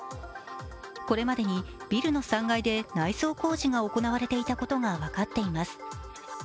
これまでにビルの３階で内装工事が行われていたことが分かっています。